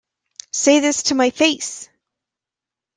Say this to my face!.